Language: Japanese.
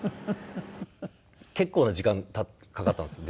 結構な時間かかったんですよ